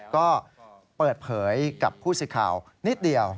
ก็เปิดเผยกับผู้สื่อข่าวนิดเดียว